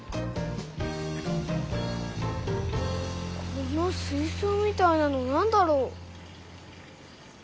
この水そうみたいなのなんだろう？